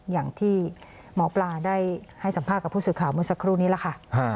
อย่างที่หมอปลาได้ให้สัมภาษณ์กับผู้สื่อข่าวเมื่อสักครู่นี้แหละค่ะ